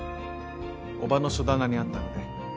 叔母の書棚にあったので。